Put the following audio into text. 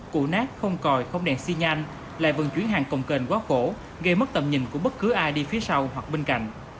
cụ nát không còi không đèn xi nhanh lại vận chuyển hàng cồng kền quá khổ gây mất tầm nhìn của bất cứ ai đi phía sau hoặc bên cạnh